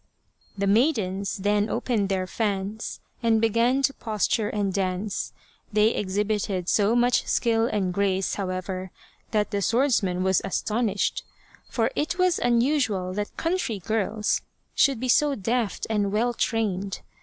The maidens then opened their fans and began to posture and dance. They exhibited so much skill and grace, however, that the swordsman was as tonished, for it was unusual that country girls should be so deft and well trained.